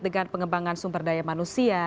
dengan pengembangan sumber daya manusia